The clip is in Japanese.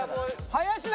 林田